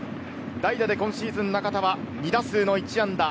代打で今シーズン、中田は２打数の１安打。